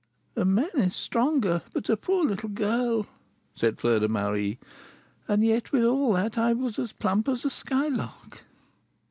"A man is stronger; but a poor little girl " said Fleur de Marie. "And yet, with all that, I was as plump as a skylark."